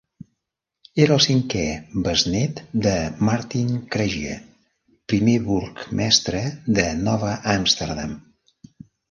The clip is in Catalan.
Era el cinquè besnet de Martin Cregier, primer burgmestre de Nova Amsterdam.